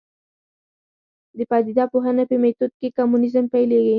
د پدیده پوهنې په میتود کې کمونیزم پیلېږي.